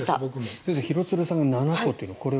先生、廣津留さんが７個とこれは。